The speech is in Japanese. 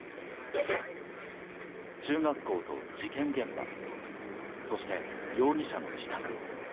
中学校と事件現場そして、容疑者の自宅。